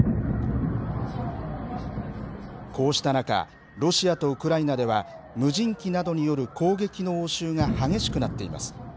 こうした中、ロシアとウクライナでは、無人機などによる攻撃の応酬が激しくなっています。